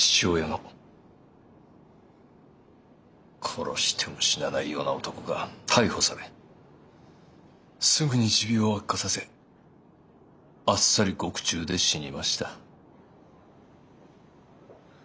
殺しても死なないような男が逮捕されすぐに持病を悪化させあっさり獄中で死にました。